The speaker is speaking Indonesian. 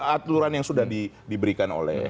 artinya cukup aturan yang sudah diberikan oleh